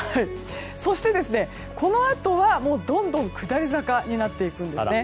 そして、このあとはどんどん下り坂になっていくんです。